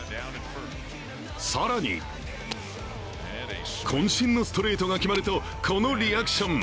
更にこん身のストレートが決まると、このリアクション。